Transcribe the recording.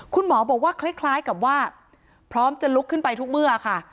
คุณหมอบอกว่าคล้ายกับว่าพร้อมจะลุกขึ้นไปทุกเมื่อค่ะ